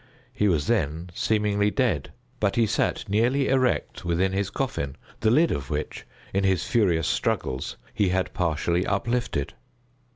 He was then seemingly dead; but he sat nearly erect within his coffin, the lid of which, in his furious struggles, he had partially uplifted.